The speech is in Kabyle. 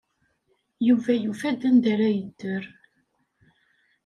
Yuba yufa-d anda ara yedder.